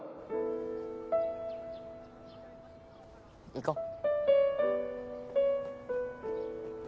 行こう。